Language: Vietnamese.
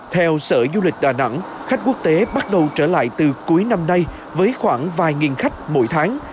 theo sở du lịch đà nẵng khách quốc tế bắt đầu trở lại từ cuối năm nay với khoảng vài nghìn khách mỗi tháng